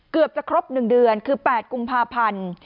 เกือบจะครบ๑เดือนคือ๘กุมภาพันธ์